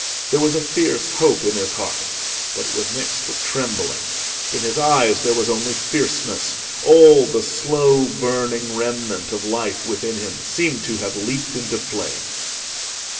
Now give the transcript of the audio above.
There was a fierce hope in his heart, but it was mixed with trembling. In his eyes there was only fierceness: all the slow burning remnant of life within him seemed to have leaped into flame.